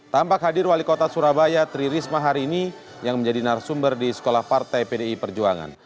tampak hadir wali kota surabaya tri risma hari ini yang menjadi narasumber di sekolah partai pdi perjuangan